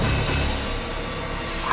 dalam waktu setengah hari